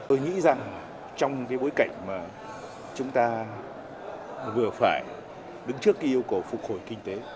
tôi nghĩ rằng trong bối cảnh mà chúng ta vừa phải đứng trước yêu cầu phục hồi kinh tế